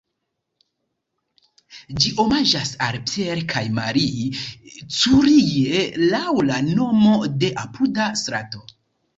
Ĝi omaĝas al Pierre kaj Marie Curie laŭ la nomo de apuda strato.